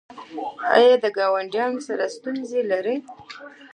ایا له ګاونډیانو سره ستونزې لرئ؟